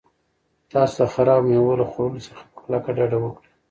تاسو د خرابو مېوو له خوړلو څخه په کلکه ډډه وکړئ.